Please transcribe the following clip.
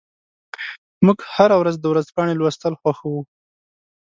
موږ هره ورځ د ورځپاڼې لوستل خوښوو.